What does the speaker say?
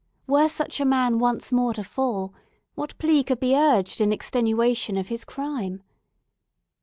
Were such a man once more to fall, what plea could be urged in extenuation of his crime?